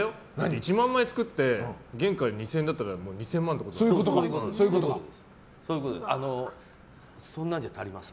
１万枚作って原価２０００円だったら２０００万円ってことでしょ。